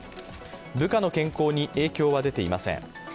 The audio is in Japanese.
部下の健康に影響は出ていません。